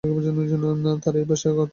এ ভাষা আরেক অর্থ মানবজাতি।